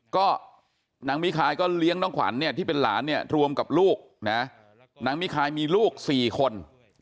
ก็นางมิคายก็เลี้ยงน้องขวัญเนี่ยที่เป็นหลานเนี่ยรวมกับลูกนะนางมิคายมีลูก๔คน